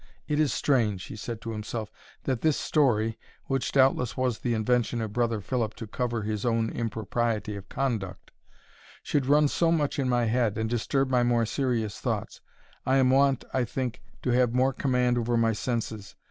"It is strange," he said to himself, "that this story, which doubtless was the invention of Brother Philip to cover his own impropriety of conduct, should run so much in my head, and disturb my more serious thoughts I am wont, I think, to have more command over my senses.